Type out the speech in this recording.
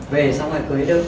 về xong rồi cưới được